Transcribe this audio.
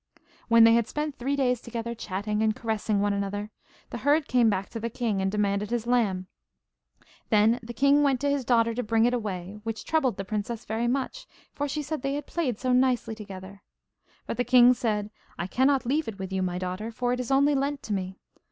When they had spent three days together, chatting and caressing one another, the herd came back to the king, and demanded his lamb. Then the king went to his daughter to bring it away, which troubled the princess very much, for she said they had played so nicely together. But the king said: 'I cannot leave it with you, my daughter, for it is only lent to me.